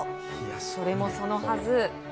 それもそのはず